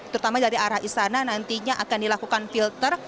terutama dari arah istana nantinya akan dilakukan filter